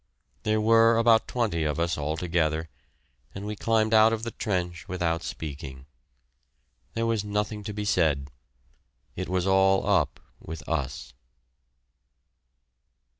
There were about twenty of us altogether, and we climbed out of the trench without speaking. There was nothing to be said. It was all up with us.